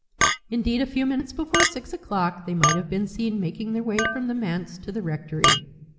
Indeed, a few minutes before six o'clock they might have been seen making their way from the manse to the rectory.